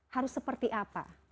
harus seperti apa